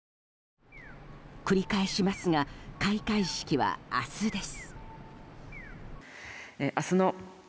繰り返しますが開会式は明日です。